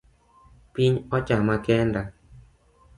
Piny ochama kenda